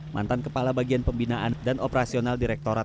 mantan kepala bagian pembinaan dan operasional direkturat